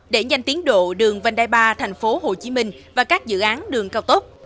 để nhanh tiến độ đường văn đai ba thành phố hồ chí minh và các dự án đường cao tốc